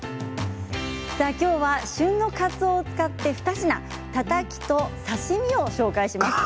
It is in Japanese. きょうは旬のかつおを使って２品、たたきと刺身を紹介します。